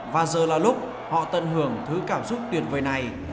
và giờ là lúc họ tận hưởng thứ cảm xúc tuyệt vời này